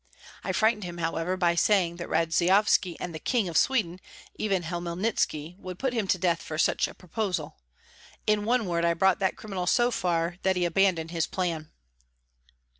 I frightened him, however, by saying that Radzeyovski and the King of Sweden, even Hmelnitski, would put him to death for such a proposal; in one word, I brought that criminal so far that he abandoned his plan."